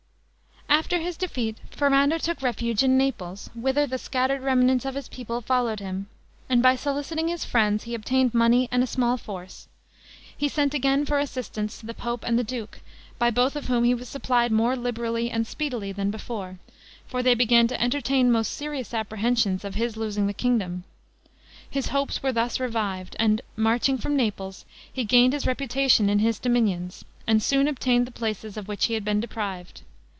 After his defeat, Ferrando took refuge in Naples, whither the scattered remnants of his people followed him; and by soliciting his friends, he obtained money and a small force. He sent again for assistance to the pope and the duke, by both of whom he was supplied more liberally and speedily than before; for they began to entertain most serious apprehensions of his losing the kingdom. His hopes were thus revived; and, marching from Naples, he regained his reputation in his dominions, and soon obtained the places of which he had been deprived.